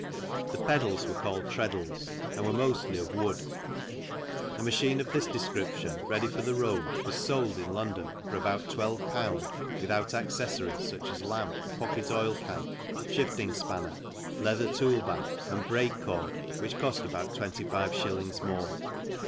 The pedals were called " treadles " and were mostly of wood. A machine of this description, ready for the road, was sold in London for about 12, without accessories such as lamp, pocket oil can, shifting spanner, leather toolbag and brake cord, which cost about 25s. more.